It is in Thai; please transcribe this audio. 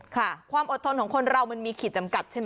ความอดทนของคนเรามันมีขีดจำกัดใช่ไหม